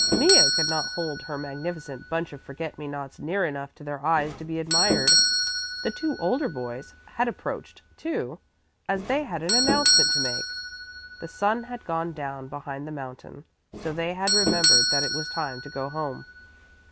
Mea could not hold her magnificent bunch of forget me nots near enough to their eyes to be admired. The two older boys had approached, too, as they had an announcement to make. The sun had gone down behind the mountain, so they had remembered that it was time to go home.